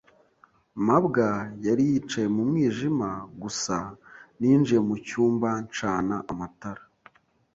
mabwa yari yicaye mu mwijima gusa ninjiye mucyumba ncana amatara.